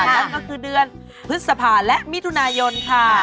นั่นก็คือเดือนพฤษภาและมิถุนายนค่ะ